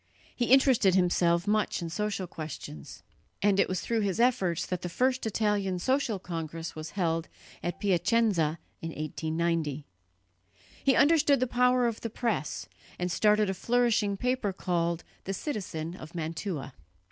He interested himself much in social questions; and it was through his efforts that the first Italian social congress was held at Piacenza in 1890. He understood the power of the press, and started a flourishing paper called the Citizen of Mantua.